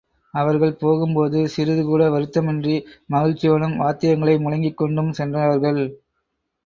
அவர்கள் போகும் போது சிறிது கூட வருத்தமின்றி மகிழ்ச்சியோடும், வாத்தியங்களை முழங்கிக் கொண்டும் சென்றார்கள்.